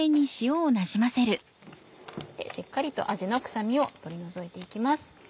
しっかりとあじの臭みを取り除いて行きます。